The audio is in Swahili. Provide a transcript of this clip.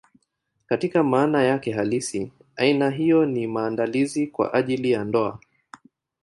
Katika maana yake halisi, aina hiyo ni ya maandalizi kwa ajili ya ndoa.